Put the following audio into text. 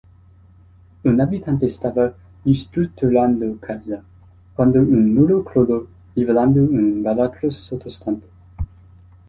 Un abitante stava ristrutturando casa, quando un muro crollò rivelando un baratro sottostante.